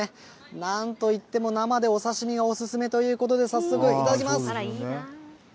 なんといっても生でお刺身がお勧めということで、早速、いただきます。